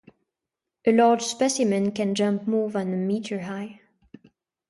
A large specimen can jump more than a metre high.